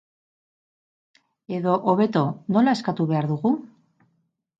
Edo, hobeto, nola eskatu behar dugu?